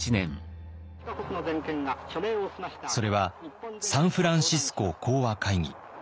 それはサンフランシスコ講和会議。